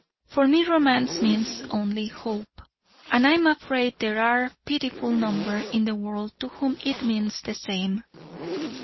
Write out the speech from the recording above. For me romance means only hope. And I'm afraid there are a pitiful number in the world to whom it means the same."